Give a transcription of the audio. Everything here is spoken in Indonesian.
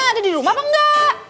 ada di rumah apa enggak